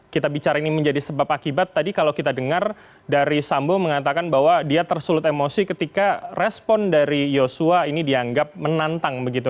kita bicara ini menjadi sebab akibat tadi kalau kita dengar dari sambo mengatakan bahwa dia tersulut emosi ketika respon dari yosua ini dianggap menantang begitu